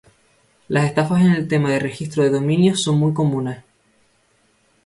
Las estafas en el tema del registro de dominios son muy comunes.